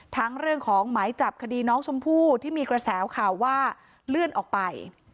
เรื่องของหมายจับคดีน้องชมพู่ที่มีกระแสข่าวว่าเลื่อนออกไป